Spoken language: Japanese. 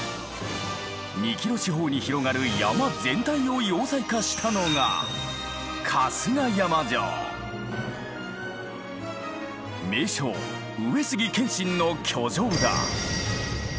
２キロ四方に広がる山全体を要塞化したのが名将上杉謙信の居城だ。